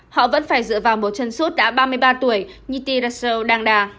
họ vẫn phải dựa vào một chân xuất đã ba mươi ba tuổi như tiraso đăng đà